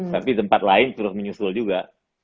tapi tempat lain terus menyusul juga